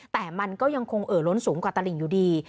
แต่มันก็ยังคงเอ่อล้นสูงกว่าตลิ่งอยู่ดี